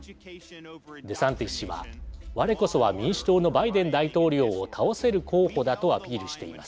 デサンティス氏は我こそは民主党のバイデン大統領を倒せる候補だとアピールしています。